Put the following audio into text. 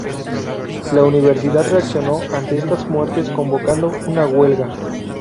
La universidad reaccionó ante estas muertes convocando una huelga.